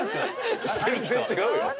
全然違うよ。